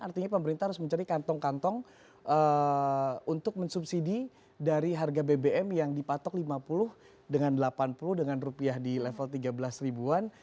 artinya pemerintah harus mencari kantong kantong untuk mensubsidi dari harga bbm yang dipatok lima puluh dengan delapan puluh dengan rupiah di level tiga belas ribuan